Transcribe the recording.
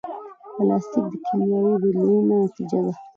پلاستيک د کیمیاوي بدلونونو نتیجه ده.